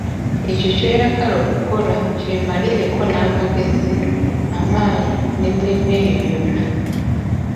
Ekyo ky'oyagala okukola kyemalireko n'amagezi, amaanyi n'emmeeme yo yonna.